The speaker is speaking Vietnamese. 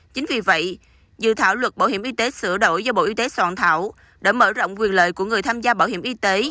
chính vì vậy dự thảo luật bảo hiểm y tế sửa đổi do bộ y tế soạn thảo đã mở rộng quyền lợi của người tham gia bảo hiểm y tế